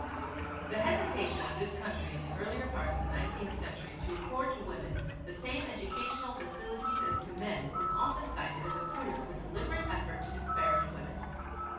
The hesitation of this country in the earlier part of the nineteenth century to accord to women the same educational facilities as to men is often cited as a proof of a deliberate effort to disparage women.